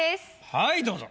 はいどうぞ。